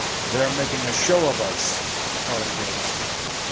"They are making a show of us!" Fothergill exclaimed.